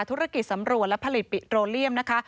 ธุรกิจสำรวจและผลิตปิโตเลียมนะคะ